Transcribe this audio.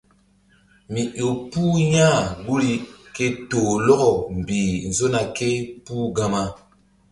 Mi ƴo puh ya̧h guri ke toh lɔkɔ mbih nzona ké puh Gama.